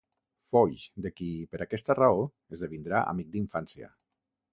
Foix de qui, per aquesta raó, esdevindrà amic d'infància.